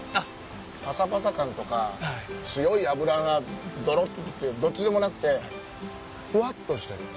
パサパサ感とか強い脂がドロっていうどっちでもなくてフワっとしてる